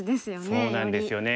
そうなんですよね。